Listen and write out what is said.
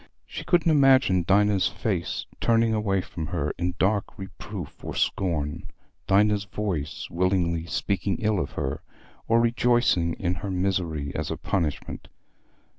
She couldn't imagine Dinah's face turning away from her in dark reproof or scorn, Dinah's voice willingly speaking ill of her, or rejoicing in her misery as a punishment.